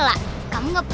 apapun hah win bei